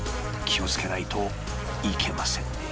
気をつけないといけませんね。